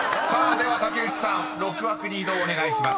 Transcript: ［では竹内さん６枠に移動をお願いします］